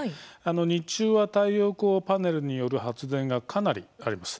日中は太陽光パネルによる発電がかなりあります。